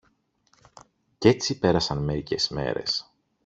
Κι έτσι πέρασαν μερικές μέρες.